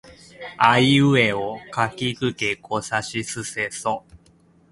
あいうえおかきくけこさしせそ